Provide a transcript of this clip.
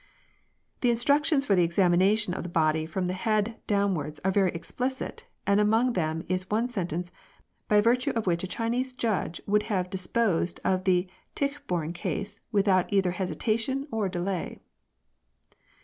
The instructions for the examination of the body from the head downwards are very explicit, and among them is one sentence by virtue of which a Chinese judge would have disposed of the Tichborne case without either hesitation or delay.